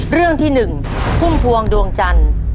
เรื่องที่๑พุ่มพวงดวงจันทร์